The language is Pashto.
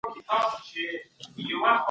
سندرې د حافظې کارولو ته اړتیا لري.